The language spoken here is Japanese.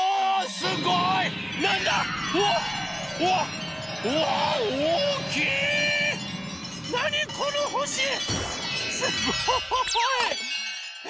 すごい！え？